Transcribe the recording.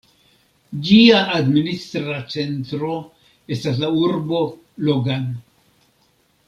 Ĝia administra centro estas la urbo Logan.